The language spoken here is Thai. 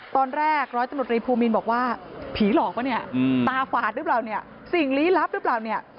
ตอนแรกร้อยตำรวจรีภูมินบอกว่าผีหลอกป่ะเนี่ยตาฝาดหรือเปล่าเนี่ยสิ่งลี้ลับหรือเปล่าเนี่ย